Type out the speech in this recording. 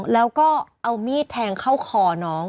แล้วก็เอามีดแทงเข้าคอน้อง